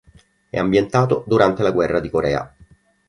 È ambientato durante la guerra di Corea.